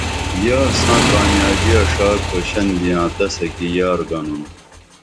یار ساں کامیابیہ ݜا کھوشن بیاں تسہ کی یار گنُن